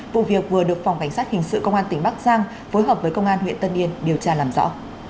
vụ việc vừa được phòng cảnh sát hình sự công an tỉnh bắc giang phối hợp với công an huyện tân yên điều tra làm rõ